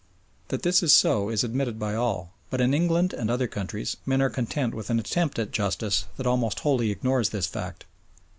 That this is so is admitted by all, but in England and other countries men are content with an attempt at "justice" that almost wholly ignores this fact.